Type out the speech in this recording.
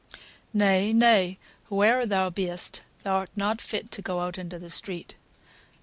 "Nay! nay! who e'er thou be'st, thou'rt not fit to go out into the street.